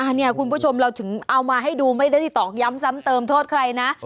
อันนี้คุณผู้ชมเราถึงเอามาให้ดูไม่ได้ตอกย้ำซ้ำเติมโทษใครนะ